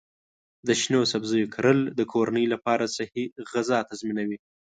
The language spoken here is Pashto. د شنو سبزیو کرل د کورنۍ لپاره صحي غذا تضمینوي.